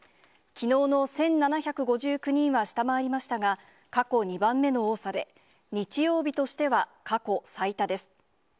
きのうの１７５９人は下回りましたが、過去２番目の多さで、日曜日としては過去最多です。